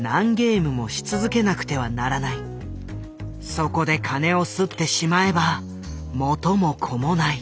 そこで金をすってしまえば元も子もない。